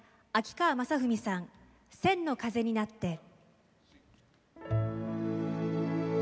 秋川雅史さん「千の風になって」。